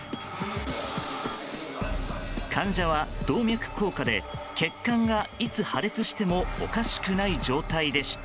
患者は動脈硬化で血管がいつ破裂してもおかしくない状態でした。